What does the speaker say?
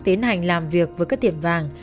tiến hành làm việc với các tiệm vàng